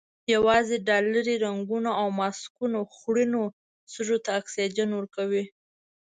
یوازې ډالري رنګونه او ماسکونه خوړینو سږیو ته اکسیجن ورکوي.